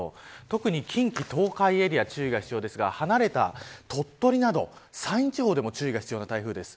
特に近畿東海エリアは注意が必要ですが離れた鳥取、山陰地方でも注意が必要な台風です。